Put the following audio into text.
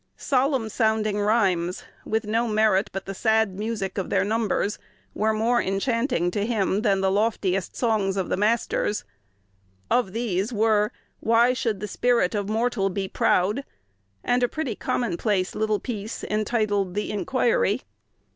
Solemn sounding rhymes, with no merit but the sad music of their numbers, were more enchanting to him than the loftiest songs of the masters. Of these were, "Why should the Spirit of Mortal be Proud?" and a pretty commonplace little piece, entitled "The Inquiry."